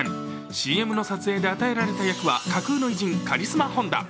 ＣＭの撮影で与えられた役は架空の偉人カリスマ・ホンダ。